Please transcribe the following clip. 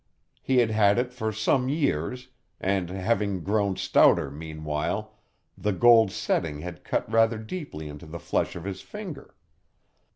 He had had it for some years, and, having grown stouter meanwhile, the gold setting had cut rather deeply into the flesh of his finger.